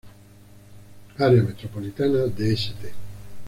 Área metropolitana de St.